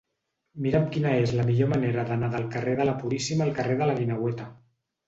Mira'm quina és la millor manera d'anar del carrer de la Puríssima al carrer de la Guineueta.